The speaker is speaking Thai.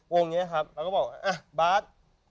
วงนี้ครับเราก็บอกว่าบาท